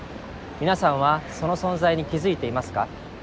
皆さんはその存在に気付いていますか？